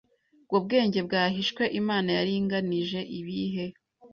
bwo bwenge bwahishwe Imana yaringanije ibihe